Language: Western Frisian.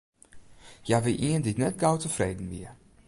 Hja wie ien dy't net gau tefreden wie.